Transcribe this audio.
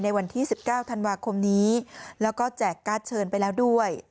วันที่๑๙ธันวาคมนี้แล้วก็แจกการ์ดเชิญไปแล้วด้วย